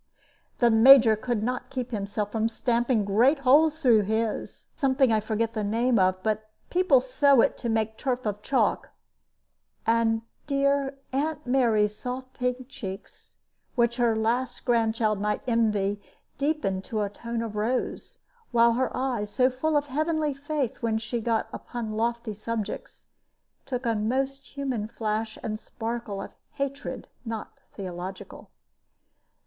The Major could not keep himself from stamping great holes through his something I forget the name of, but people sow it to make turf of chalk and dear "Aunt Mary's" soft pink cheeks, which her last grandchild might envy, deepened to a tone of rose; while her eyes, so full of heavenly faith when she got upon lofty subjects, took a most human flash and sparkle of hatred not theological.